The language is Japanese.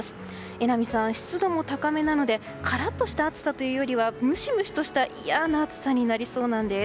榎並さん、湿度も高めなのでカラッとした暑さというよりはムシムシとした嫌な暑さになりそうなんです。